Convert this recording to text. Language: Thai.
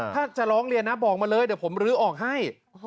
ถ้าจะร้องเรียนนะบอกมาเลยเดี๋ยวผมลื้อออกให้